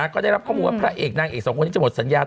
ก็ได้รับข้อมูลว่าพระเอกนางเอกสองคนนี้จะหมดสัญญา